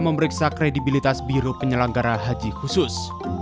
memeriksa kredibilitas biro penyelenggara haji khusus